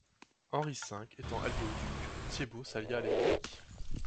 Henri V étant allié au duc, Thiébaut s'allia à l'évêque.